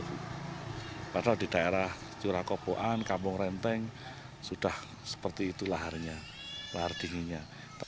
padahal di daerah jurakoboan kampung renteng sudah seperti itulah harinya lahar dinginnya